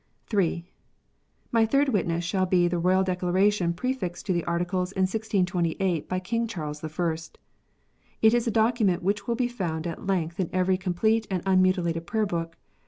(3) My third witness shall be the Royal Declaration prefixed to the Articles in 1628, by King Charles I. It is a document which will be found at length in every complete and unmuti lated Prayer book.